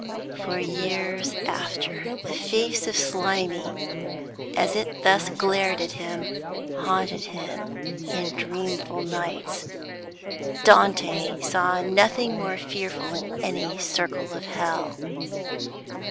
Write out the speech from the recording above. For years after, the face of Slimy, as it thus glared at him, haunted him in dreamful nights. Dante saw nothing more fearful in any circle of hell.